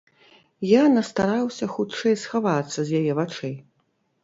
Я настараўся хутчэй схавацца з яе вачэй.